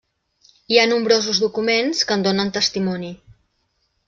Hi ha nombrosos documents que en donen testimoni.